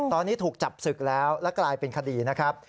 ตอนนี้ถูกจับศึกแล้วและกลายเป็นคดีนะครับ